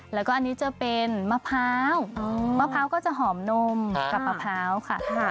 แล้วก็อันนี้จะเป็นมะพร้าวมะพร้าวก็จะหอมนมกับมะพร้าวค่ะ